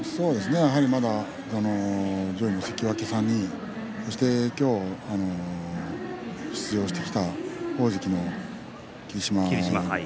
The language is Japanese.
まだ上位の関脇３人そして今日出場してきた大関の霧島